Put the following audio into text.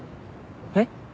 えっ？